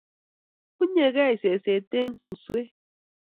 Unyekei seset eng suswek